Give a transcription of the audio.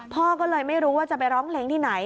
พ่อก็เลยไม่รู้ว่าจะไปร้องเพลงที่ไหน